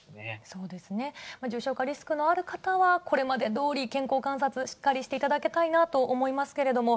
重症化リスクのある方は、これまでどおり健康観察、しっかりしていただきたいなと思いますけれども。